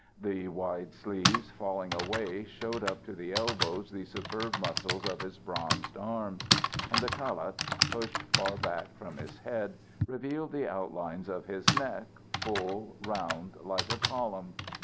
The wide sleeves, falling away, showed up to the elbows the superb muscles of his bronzed arms; and the calotte, pushed far back from his head, revealed the outlines of his neck, full, round, like a column.